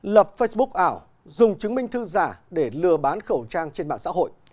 lập facebook ảo dùng chứng minh thư giả để lừa bán khẩu trang trên mạng xã hội